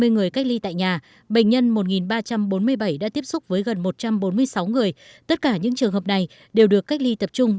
hai mươi người cách ly tại nhà bệnh nhân một ba trăm bốn mươi bảy đã tiếp xúc với gần một trăm bốn mươi sáu người tất cả những trường hợp này đều được cách ly tập trung